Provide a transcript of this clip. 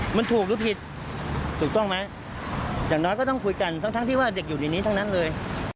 มันถูกหรือผิดถูกต้องไหมอย่างน้อยก็ต้องคุยกันทั้งที่ว่าเด็กอยู่ในนี้ทั้งนั้นเลย